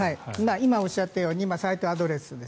今、おっしゃったようにサイトアドレス